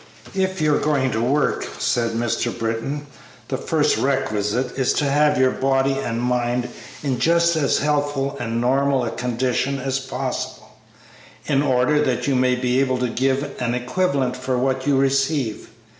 "If you are going to work," said Mr. Britton, "the first requisite is to have your body and mind in just as healthful and normal a condition as possible, in order that you may be able to give an equivalent for what you receive.